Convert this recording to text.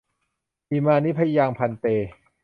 อิมานิ มะยัง ภันเต